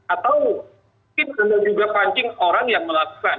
atau mungkin anda juga pancing orang yang melakukan